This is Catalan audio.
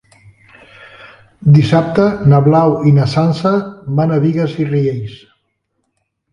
Dissabte na Blau i na Sança van a Bigues i Riells.